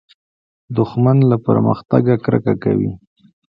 دښمن له پرمختګه کرکه کوي